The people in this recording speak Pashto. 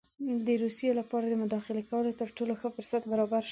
د روسیې لپاره د مداخلې کولو تر ټولو ښه فرصت برابر شو.